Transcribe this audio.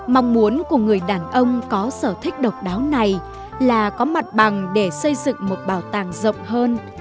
mong muốn của người đàn ông có sở thích độc đáo này là có mặt bằng để xây dựng một bảo tàng rộng hơn